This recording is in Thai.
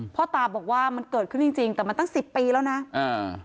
พ่อตาบอกว่ามันเกิดขึ้นจริงจริงแต่มันตั้งสิบปีแล้วนะอ่า